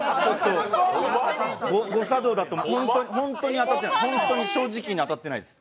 誤作動だと思います、本当に当たってないです！